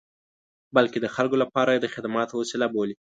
بلکې د خلکو لپاره یې د خدماتو وسیله بولي.